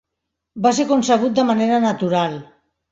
Va ser concebut de manera natural.